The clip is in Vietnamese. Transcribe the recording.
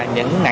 những nạn nhân